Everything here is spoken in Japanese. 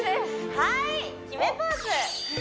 はい決めポーズ！